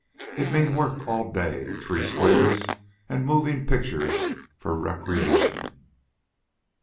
It'd mean work all day, three squares, an' movin' pictures for recreation.